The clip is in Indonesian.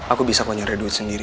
aku bisa konyari duit sendiri